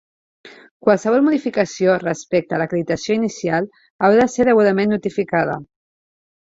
Qualsevol modificació respecte a l'acreditació inicial haurà de ser degudament notificada.